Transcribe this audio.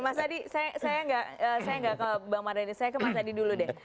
mas adi saya enggak ke bang mardhan yalisera saya ke mas adi dulu deh